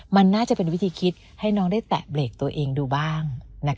มันน่าจะเป็นวิธีคิดให้น้องได้แตะเบรกตัวเองดูบ้าง